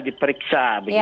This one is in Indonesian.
diperiksa begitu ya